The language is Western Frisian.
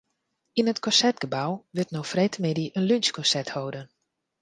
Yn it Konsertgebou wurdt no freedtemiddei in lunsjkonsert holden.